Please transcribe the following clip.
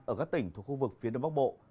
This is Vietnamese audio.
ở các tỉnh thuộc khu vực phía đông bắc bộ